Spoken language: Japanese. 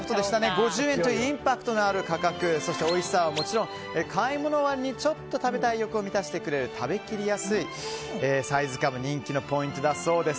５０円というインパクトのある価格そしておいしさはもちろん買い物終わりにちょっと食べたい欲を満たしてくれる食べ切りやすいサイズ感も人気のポイントだそうです。